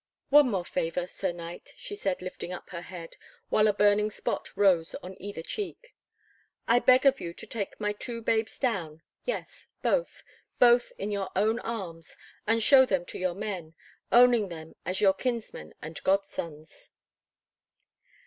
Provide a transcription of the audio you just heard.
"One more favour, Sir Knight," she said, lifting up her head, while a burning spot rose on either cheek. "I beg of you to take my two babes down—yes, both, both, in your own arms, and show them to your men, owning them as your kinsmen and godsons."